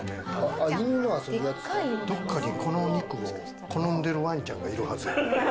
どっかにこのお肉を好んでいるワンちゃんがいるはずや。